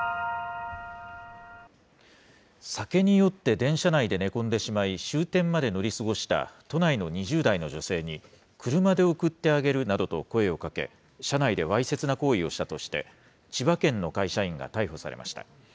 酒に酔って電車内で寝込んでしまい、終点まで乗り過ごした都内の２０代の女性に、車で送ってあげるなどと声をかけ、車内でわいせつな行為をしたとして、千葉県の会社員が逮捕されました。